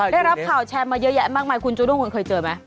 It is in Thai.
ได้รับข่าวแชร์มาเยอะแยะมากมายคุณจูดุ้งคุณเคยเจอไหม